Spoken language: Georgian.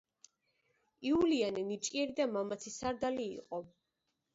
იულიანე ნიჭიერი და მამაცი სარდალი იყო.